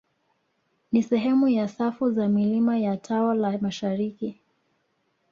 Ni sehemu ya safu za milima ya tao la mashariki